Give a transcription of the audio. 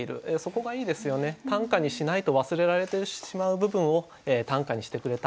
短歌にしないと忘れられてしまう部分を短歌にしてくれた。